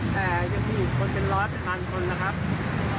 แต่ยังมีอีกคนเป็นร้อยเป็นพันคนนะครับ